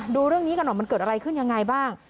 ดูเรื่องนี้กันหน่อยมันเกิดอะไรขึ้นยังไงบ้าง